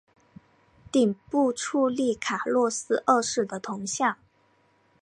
顶部矗立卡洛斯二世的铜像。